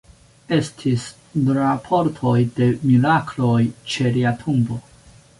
Estis raportoj de mirakloj ĉe lia tombo.